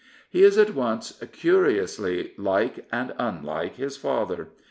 He is at once curiously like and unlike his father.